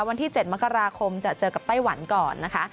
วันที่๗มกราคมจะเจอกับไต้หวันก่อนนะคะ